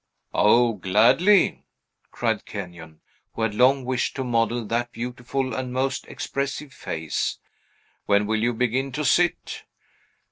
"O, gladly!" cried Kenyon, who had long wished to model that beautiful and most expressive face. "When will you begin to sit?"